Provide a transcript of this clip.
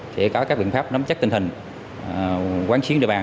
sẽ có các biện pháp nắm chắc tình hình quán chiến địa bàn